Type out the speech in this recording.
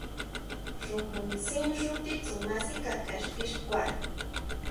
Xojóntsín xú titsuma sikáka ixti xkua.